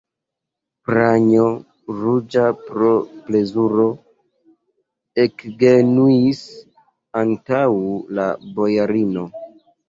Pranjo, ruĝa pro plezuro, ekgenuis antaŭ la bojarino.